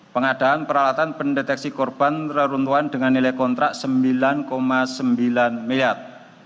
pengadaan peralatan pendeteksi korban terruntuhan dengan nilai kontrak sembilan sembilan miliar